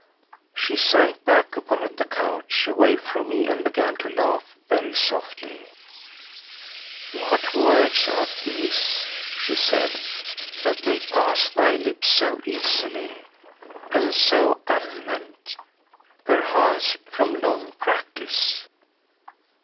She sank back upon the couch away from me and began to laugh very softly. "What words are these," she said, "that they pass thy lips so easily and so unmeant, perchance from long practice?